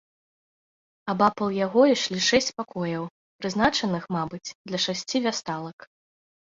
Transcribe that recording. Абапал яго ішлі шэсць пакояў, прызначаных, мабыць, для шасці вясталак.